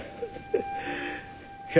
いや。